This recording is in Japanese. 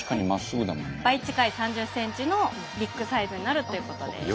倍近い３０センチのビッグサイズになるということです。